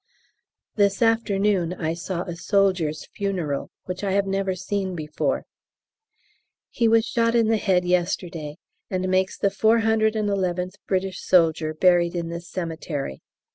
This afternoon I saw a soldier's funeral, which I have never seen before. He was shot in the head yesterday, and makes the four hundred and eleventh British soldier buried in this cemetery.